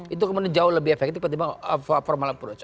itu kemudian jauh lebih efektif ketimbang formal approach